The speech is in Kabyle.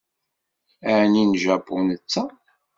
Ɛni n Japu netta?